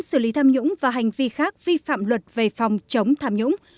xử lý tham nhũng và hành vi khác vi phạm luật về phòng chống tham nhũng